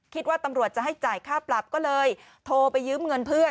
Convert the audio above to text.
คิดว่าตำรวจจะให้จ่ายค่าปรับก็เลยโทรไปยืมเงินเพื่อน